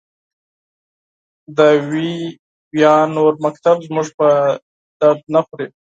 د وي ویان نور مکتوب زموږ په درد نه خوري.